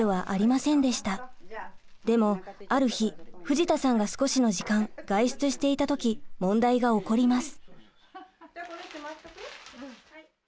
でもある日藤田さんが少しの時間外出していた時問題が起こります。